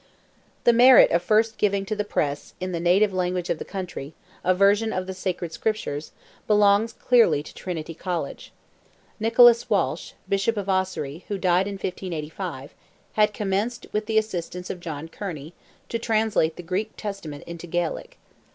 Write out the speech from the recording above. The merit of first giving to the press, in the native language of the country, a version of the Sacred Scriptures, belongs clearly to Trinity College. Nicholas Walsh, Bishop of Ossory, who died in 1585, had commenced, with the assistance of John Kearney, to translate the Greek Testament into Gaelic.